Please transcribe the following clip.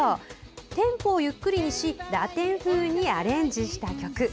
テンポをゆっくりにしラテン風にアレンジした曲。